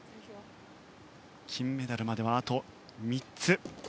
金メダルまではあと３つ。